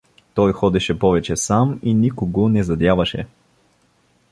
Той ходеше повече сам и никого не задяваше.